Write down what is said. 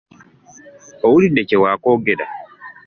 Owulidde kye waakoogera?